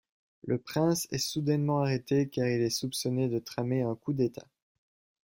Le prince est soudainement arrêté car il est soupçonné de tramer un coup d'état.